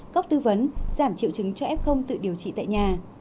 có tư vấn giảm triệu chứng cho f tự điều trị tại nhà